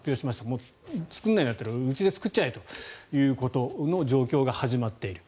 もう、作らないんだったらうちで作っちゃえという状況が始まっている。